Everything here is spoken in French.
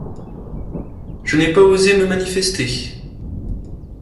Je n’ai pas osé me manifester.